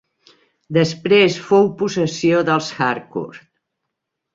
Després fou possessió dels Harcourt.